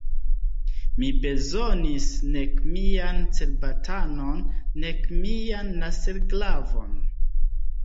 Mi bezonis nek mian cerbatanon, nek mian laserglavon.